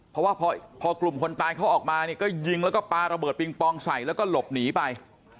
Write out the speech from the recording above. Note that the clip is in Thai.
เพราะว่าพอกลุ่มคนตายเขาออกมาเนี่ยก็ยิงแล้วก็ปลาระเบิดปิงปองใส่แล้วก็หลบหนีไป